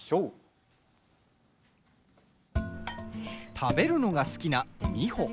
食べるのが好きな美穂。